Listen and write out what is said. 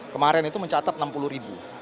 kemarin itu mencatat enam puluh ribu